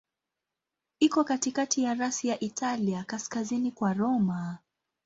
Iko katikati ya rasi ya Italia, kaskazini kwa Roma.